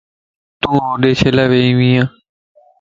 تون ھودي چھيلا ويئي؟